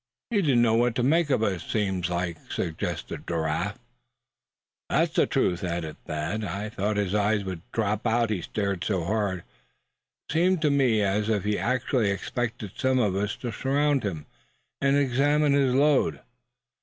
"He don't know what to make of us, seems like?" suggested Giraffe. "That is the truth," added Thad. "I thought his eyes would drop out, he stared so hard. Seemed to me as if he actually expected some of us to surround him, and examine his load.